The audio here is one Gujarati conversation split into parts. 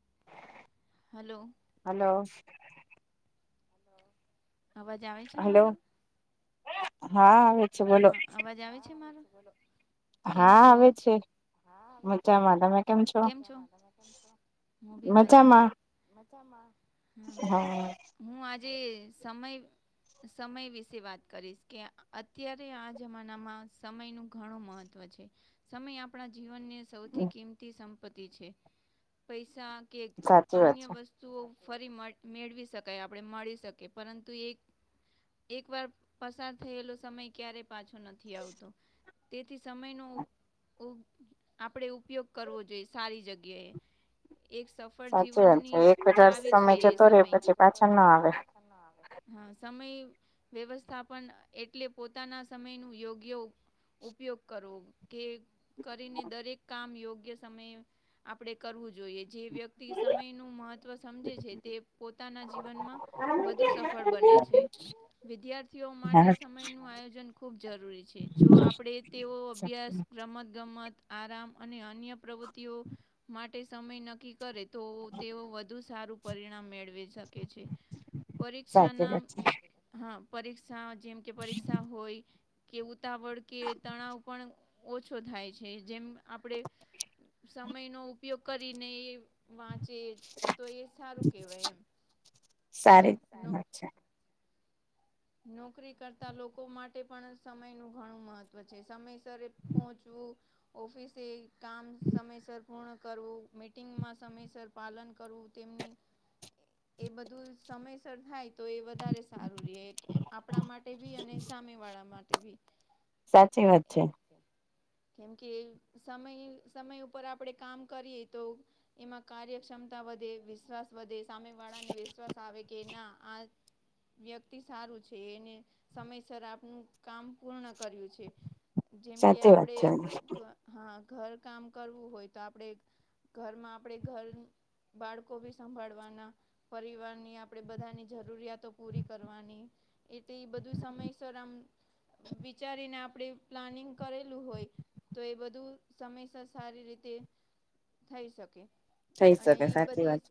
[unintelligible] હલો. હલો અવાજ આવે છે મારો? હા, અવાજ આવે છે મારો? કેમ છો? હા કેમ છો? હું બી મઝામાં, મઝામાં હા. હું આજે સમય સમય વિશે વાત કરીશ, કે અત્યારે આ જમાનામાં સમયનું ઘણું મહ ત્વ છે. સમય આપણા જીવનને સૌથી કિંમતી સંપત્તિ છે. પૈસા કે અન્ય વસ્ સ્તુઓ ફરી મળ મેળવી શકાય, આપણે મળી શકીએ પરંતુ એક એક વાર પસાર થયેલો સમય ક્યારેય પાછો નથી આવતો. તેથી સમયનું ઉપ આપણે ઉપયોગ કરવો જોઈએ સારી જગ્યાએ. એક સફ ફળ‌ જીવન ની ચાવી છે એ સમય. હા. સમય વ્યવસ્થાપન એટલે પોતાના સમયનું યોગ્યો ઉપયોગ કરવો. કે કરીને દરેક કામ યોગ્ય સમયે આપણે કરવું જોઈએ. જે વ્યક્તિ સમય નું મહત્વ સમજે છે, તે પોત જીવનમાં વધુ સફળ બને છે. વિદ્યાર્થીઓ માટે સમ મય નું આયોજન ખુબ જરૂરી છે. જો આપણે તેઓ અભ્યાસ, રમત-ગમત આરામ અને અન્ય પ્રવૃત્તિઓ માટે સમય નક્કી કરે તો તેઓ વધુ સારું પરિણામ મેળવે કે છે. પરીક્ષાનામ હા, પરીક્ષા જેમ કે પરીક્ષા હોય, કે ઉતાવળ, કે તણાવપણ ઓછો થાય છે. જેમ આપણે સમયનો ઉપયોગ કરીને એ વાંચે તો એ સારું કહેવાય એમ. સારી વાત છે. નોકરી કરતા લોકો માટે પણ સમયનું ઘણું મહત્વ છે. સમય [unintelligible] પહોંચવું ઓફિસે કામ સમયસર પૂર્ણ કરવું, મીટિંગમાં સમયસર પાલન કરવું તેમની એ બધું સમયસર થાય તો એ વધારે સારું રહ્યે, આપણા માટે બી અને સામે વાળા માટે બી. સાચી વાત છે. કેમ કે સમય-સમય ઉપર આપણેે કામ કરીએ તો એમાં કાર્યક્ષમતા વધે, વિશ્વાસ વધે સામે વાળાને વિશ્વાસ આવે, કે ના આ વ્યક્તિ સારું છ છે. એને સમયસર આપનું કામ પૂર્ણ કર્યું છે. જેમ કે આપણે, હા ઘર કામ કરવું હોય તો આપણેે ઘરમાં આપણે ઘર બાળકો બી સંભાળવાના પરિવારની આપણેે બધાની જરૂરિયાતો પૂરી કરવાની એટલે ઈ બધું સમયસર આમ વિચારીને આપણે પ્લાનિંગ કરેલું હોય તો એ બધું સમયસર સારી રીતે થઈ શકે. અને ઈ બધી સ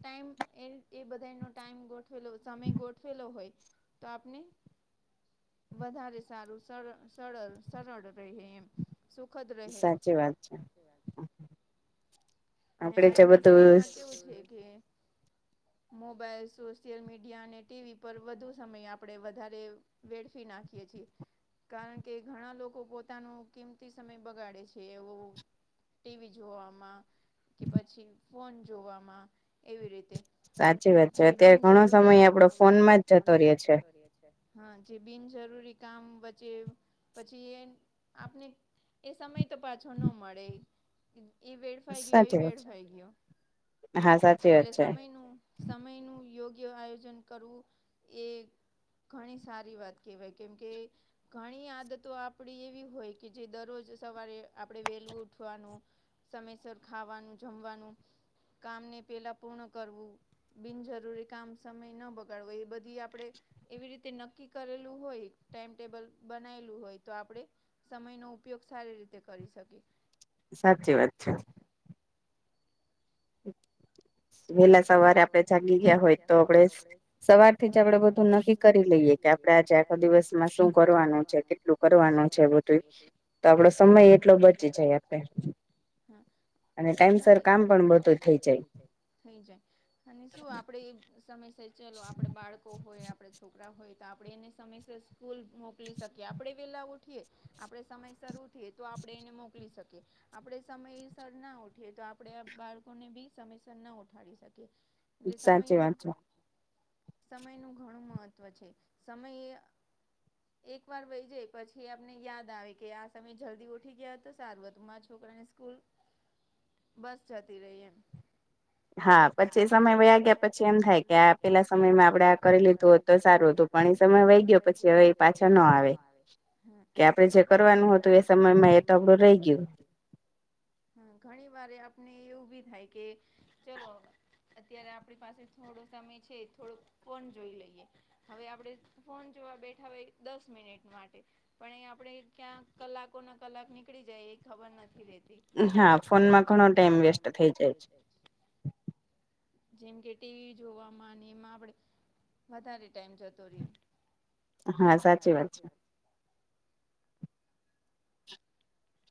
ટાઈમ એ-એ બધાઈનો ટાઈમ ગોઠવેલો હોય, સમય ગોઠવેલો હોય. તો આપને વધારે સારું, સર સરળ-સરળ રહે એમ. સુખદ રહે. અને આજના સમયમાં કેવું છે, કે મોબાઈલ, સોશિયલ મીડિયા અને ટી વી પર વધુ સમય આપણે વધારે વેડફી નાખીએ છી. કારણ કે, ઘણા લોકો પોતાનું કિંમતી સમય બગાડે છે એવું ટી વી જોવામાં કે પછી ફોન જોવામાં એવી રીતે. જે બિન જરૂરીનો ઘણો સમય આપણો ફોનમાં જ જતો રહ્યે છે. હા. જે બિનજરૂરી કામ વચ્ચે પછી એન આપને એ સમય તો પાછો ન મળે ઈ. ઈ વેડફાઈ ગયો ઈ વેડફાઇ ગ્યો. એટલે સમય નું સમયનું યોગ્ય આયોજન કરવું એ ઘણી સારી વાત કેવાય કેમ કે ઘણી આદતો આપડી એવી હોય કે જે દરરોજ સવારે આપણે વેલું ઉઠવાનું. સમયસર ખાવાનું, જમવાનું, કામને પેલા પૂર્ણ કરવું. બિનજરૂરી કામ સમય ન બગાડવો એ બધી આપણે એવી રીતે નક્કી કરેલું હોય, ટાઈમટેબલ બનાવેલું હોય, તો આપડે સમયનો ઉપયોગ સારી રીતે કરી શકીએ. સાચી વાત છે. [inaudible] વહેલા સવારે આપડે જાગી ગયા હોય તો આપડે સવાર થી જ આપડે બધું નક્કી કરી લઈએ કે આપડે આજે આખો દિવસમાં શું કરવાનું છે કેટલું કરવાનું છે બધુંય. તો આપડો સમય એટલો બચી જાય આપે. હા, એમાં ટાઈમ સર કામ પણ બધુય થઈ જાય. થઈ જાય. અને શું આપણે એ સમયસ ચલો આપણે બાળકો હોય આપડે છોકરા હોય તો આપણે એને સમયસ સ્કૂલ મોકલી શકીએ. આપણેે વેલા ઉઠીએ. આપણે સમય સર ઊઠીયે તો આપડે એને મોકલી શકીએ. આપડે સમયસર ના ઉઠીએ તો આપડે બાળકોને ભી સમયસર ના ઉઠ ઉઠાડી શકીયે તે સમય સમયનું ઘણું મહત્ત્વ છે સમય એક વાર વહી જાય પછી આપને યાદ આવે કે આ સમયે જલ્દી ઉઠી ગયા હતો સારું હતું. મારા છોકરાને સ્કૂલ બસ જતી રહી એમ. હા, પછી સમય વયા ગયા પછી એમ થાય કે આ પેલા સમયમાં આપડે આ કરી લીધું હોત તો સારું હતું. પણ સમય વહી ગયો પછી હવે પાછા ન આવે કે આપડે જે કરવાનું હતું એ સમયમાં એ તો રહી ગ્યું. હા, ઘણી વાર એ આપને એવું ભી થાય કે ચલો અત્યારે આપડી પાસે થોડો સમય છે થોડો ફોન જોઈ લઈએ. હવે આપણેે ફોન જોવા બેઠા હોય દસ મિનિટ માટે પણ એ આપણેે ક્યાં કલાકો ના કલાક નીકળી જાય એ ખબર નથી રેતી. હા, ફોનમાં ઘણો ટાઈમ વેસ્ટ થઇ જાય છે. જેમ કે ટીવી જોવામાં અને એમાં આપણે વધારે ટાઈમ જતો રેય. હા, સાચી વાત છે.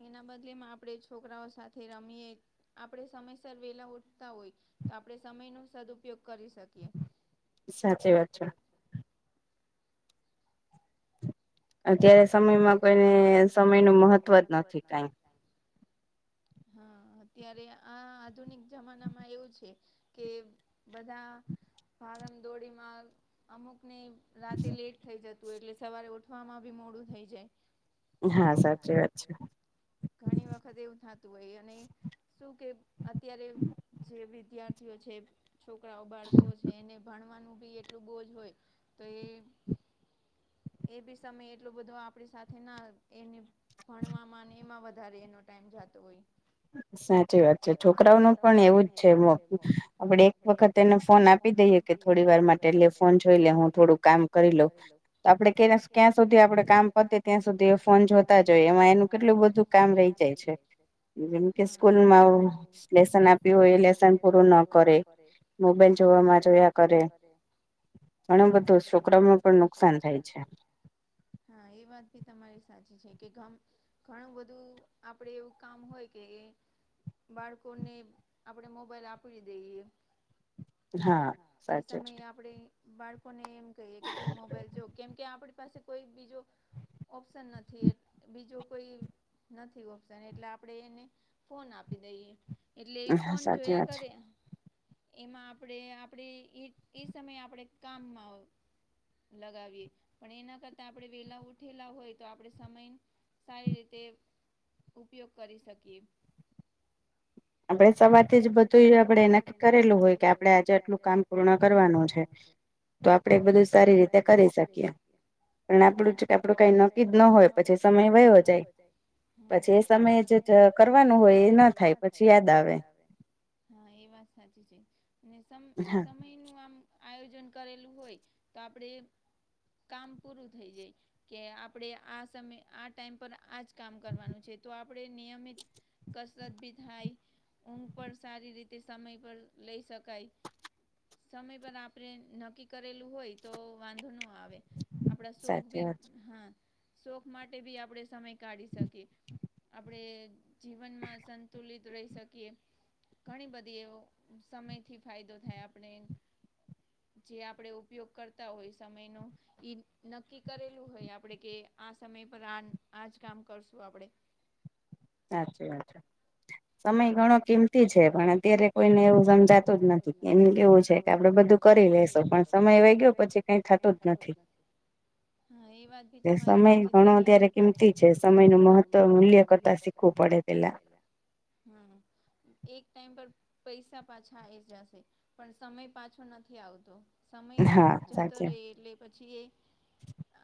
એના બદલેમાં આપણે છોકરાઓ સાથે રમીએ. આપણે સમયસર વેલા ઉઠતા હોય તો આપણે સમય ન સદઉપયોગ કરી શકીએ. શકીયે. સાચી વાત. અત્યારે સમયમાં કોઈને સમય નું મહત્વ જ નથી કાંઈ. હા, અત્યારે આ આધુનિક જમાનામાં એવું છે. કે બધા ભાગમદોડીમાં અમુકને રાતે લેટ થઈ જતું એટલે સવારે ઉઠવામાં બી મોડું થઈ જાય. હા, સાચી વાત છે. ઘણી વખત એવું થાત તુ હોય અને શું કે અત્યારે જે વિદ્યાર્થીઓ છે. છોકરાઓ બાળકો છે એને ભણવાનું બી એટલું બહુ જ હોય. તો એ એ બી સમય એટલો બધું આપણી સાથે ના એને ભણવામાં એમાં વધારે એનો ટાઈમ જાતો હોય.. સાચી વાત છે, છોકરાઓનું પણ એવું જ છે આપડે એક વખત તેને ફોન આપી દઈએ કે થોડી વાર માટે એટલે ફોન જોઈ લે હું થોડું કામ કરી લઉ. તો આપડે ક્યાં સુધી આપડે કામ પતે ત્યાં સુધી ફોન જોતા જઈએ, એમાં એનું કેટલું બધું કામ રહી જાય જાય છે. છે. જેમ કે સ્કૂલમાં લેસન આપ્યું હોય એ લેસન પૂરું ન કરે. મોબાઈલ જોવામાં જોયા કરે. ઘણો બધો છોકરાઓમાં પણ નુકસાન થાય છે. હા, એ વાત બી તમારી સાચી છે કે ગમ ઘણું બધું આપડે એવું કામ હોય કે એ બાળકોને આપણે મોબાઈલ આપડી દઈએ. એ સમયે આપડે બાળકોને એમ કહીએ કે તું મોબાઈલ જો કેમ કે આપણી પાસે કોઈ બીજો ઓપ્શન નથી એ બીજો કોઈ નથી ઓપ્શન એટલે આપણે એને ફોન આપી દઈએ. એટલે એ ફોન જોયા કરે. એમાં આપણે આપણે એ એ સમયે આપણે કામમાં લગાવીએ. પણ એના કરતા આપણે વેલા ઉઠેલા હોય તો આપણે સમય સારી રીતે ઉપયોગ કરી શકીએ. આપડે સવારથી જ બધું આપડે એ નક્કી કરેલું હોય કે આપડે આજે આટલું કામ પૂર્ણ કરવાનું છે, તો આપડણે બધું સારી રીતે કરી શકીએ. [inaudible] પણ આપણું જ આપણું કઈ નક્કી જ ન હોય પછી સમય વયો જાય. પછી એ સમયે જે કરવાનું હોય એ ના થાય. થાય પછી યાદ આવે, હા એ વાત સાચી છે ને સમ સમયનું આમ આયોજન કરેલું હોય તો આપણે કામ પૂરું થઇ જાય. કે આપણે આ સમય આ ટાઈમ પર આજ કામ કરવાનું છે તો આપણે નિયમિત કસરત બી થાય, ઊંઘ પણ સારી રીતે સમય પર લઈ શકાય. સમય પર આપણે નક્કી કરેલું હોય તો વાંધો ન આવે. આપણા શોખ બી હા, શોખ માટે બી આપણે સમય કાઢી શકીએ. આપણે જીવનમાં સંતુલિત રહી શકીએ. ઘણી બધી એવો સમયથી ફાયદો થાય આપણે. જે આપણે ઉપયોગ કરતા હોય સમયનો. ઈ નક્કી કરેલું હોય આપડે કે આ સમય પર આ આજ કામ કરશું આપડે. સાચી વાત. સમય ઘણો કિંમતી છે પણ અત્યારે કોઈને એવું સમજાતું જ નથી એનું કેવું છે કે આપડે બધું કરી લેેશો પણ સમય વય ગયો પછી કઈ થતું જ નથી. હા એ વાત ભી તમારી સાચી છે કે અત્યારે કિંમતી છે સમયનું મહત્વ મૂલ્ય કરતા તીખું પડેલા, હમ. એક ટાઈમ પર પૈસા પાછા આઈ જાશે પણ સમય પાછો નથી આવતો. સમય જતો રહે એટલે પછી એ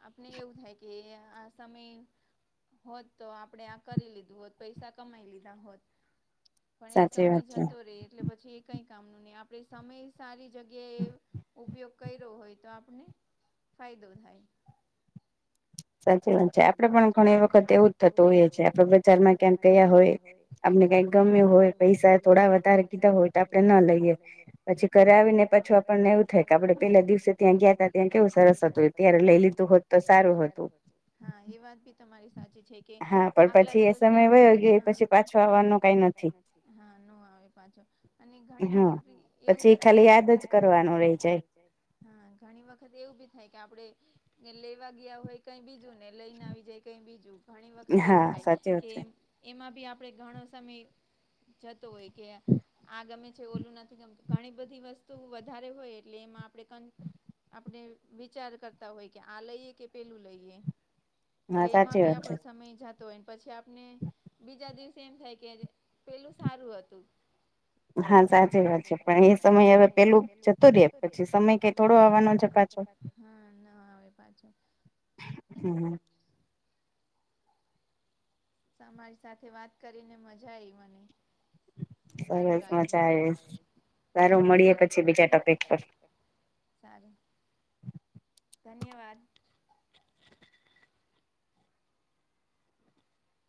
આપને એવું થાય કે આ સમય હોત તો આપડે આ કરી લીધું હોત પૈસા કમાઈ લીધા હોત. પણ એ સમય જતો રે એટલે પછી એ કઈ કામનું નહી આપડે સમય સારી જગ્યાએ ઉપયોગ કર્યો હોય તો આપને ફાયદો થાય. સાચી વાત છે આપડે પણ ઘણી વખત એવું જ થતું હોઈએ છીએ આપડે બજારમાં ક્યાંક ગયા હોય. આપને કઈ ગમે હોય પૈસા થોડા વધારે કીધા હોય તો આપણે ના લઈએ પછી ઘરે આવી ને પછી આપણને એવું થાય કે આપણે પેલા દિવસે ત્યાં ગયા તા ત્યાં કેવું સરસ હતું ત્યારે લઈ લીધું હોત હા એ વાત બી તમારી સાચી છે કે આગલા દિવસે આપને કઈ નથી ના નો આવે પાછો અને ઘણી વખત બી એવું બી થાય કે આપણે હા ઘણી વખત એવું ભી થાય કે આપણે લેવા ગયા હોય કઈ બીજું ને લઈને આવી જાય કઈ બીજું ઘણી વખત એવું થાય કે એમાં બી આપણે ઘણો સમય જતો હોય કે આ ગમે છે ઓલું નથી ગમતું ઘણી બધી વસ્તુ વધારે હોય એટલે એમાં આપણે આપણે વિચાર કરતા હોય કે આ લઈએ કે પેલું લઈએ એટલે એમાં બી આપણો સમય જતો હોય પછી આપને બીજા દિવસે એમ થાય કે પેલું સારું હતું હા સાચી વાત છે પણ એ સમય હવે પેલું તો શું દે પછી સમય કે થોડો આવવાનો જ હા ના આવે પાછું હમમ તમારી સાથે વાત કરીને મજા આઈ મને સરસ મજા આવી સારું મળીએ પછી બીજા ટોપિક પર સારું ધન્યવાદ [unintelligible]